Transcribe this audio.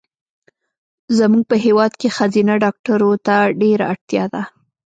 زمونږ په هېواد کې ښځېنه ډاکټرو ته ډېره اړتیا ده